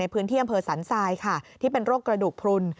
พื้นที่อำเภอสันทรายค่ะที่เป็นโรคกระดูกพลุน